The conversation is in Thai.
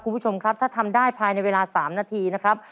คุณผู้ชมครับถ้าทำได้ภายในเวลา๓นาทีนะครับ